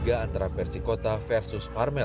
antara persikota versus farmel